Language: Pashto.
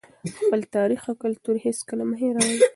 خپل تاریخ او کلتور هېڅکله مه هېروئ.